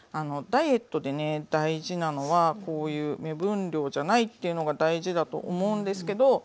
ダイエットでね大事なのはこういう目分量じゃないっていうのが大事だと思うんですけど。